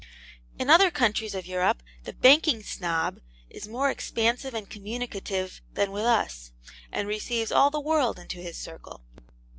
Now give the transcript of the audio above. In other countries of Europe, the Banking Snob is more expansive and communicative than with us, and receives all the world into his circle.